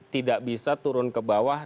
tidak bisa turun ke bawah